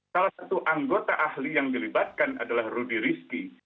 salah satu anggota ahli yang dilibatkan adalah rudi rizki